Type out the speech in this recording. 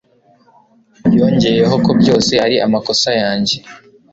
Yongeyeho ko byose ari amakosa yanjye